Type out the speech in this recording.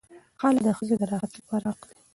خلع د ښځې د راحت لپاره حق دی.